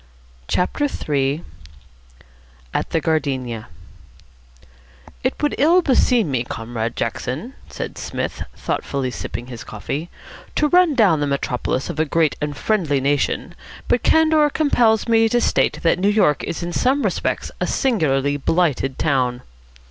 CHAPTER III AT "THE GARDENIA" "It would ill beseem me, Comrade Jackson," said Psmith, thoughtfully sipping his coffee, "to run down the metropolis of a great and friendly nation, but candour compels me to state that New York is in some respects a singularly blighted town."